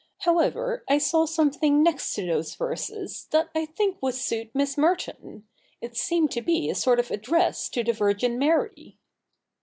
However, I saw something next to those verses, that I think would suit Miss Merton. It seemed to be a sort of address to the Virgin Mary.'